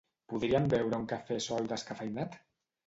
Podríem beure un cafè sol descafeïnat?